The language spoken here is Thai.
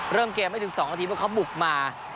เริ่มเกมไม่ถึง๒นาทีเพราะเขาบุกมา